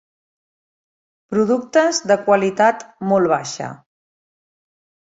Productes de qualitat molt baixa.